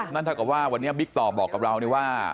นั่นถ้าว่าวันนี้บิ๊กต่อบอกกับเรานี่ว่า